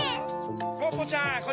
ポッポちゃん